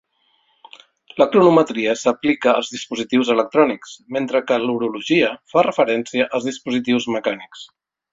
La cronometria s'aplica als dispositius electrònics, mentre que l'horologia fa referència als dispositius mecànics.